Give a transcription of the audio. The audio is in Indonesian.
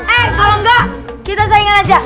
eh kalau enggak kita saingan aja